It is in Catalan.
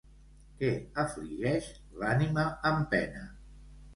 Què afligeix l'ànima en pena?